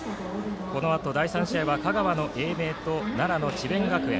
このあと第３試合は香川の英明と奈良の智弁学園。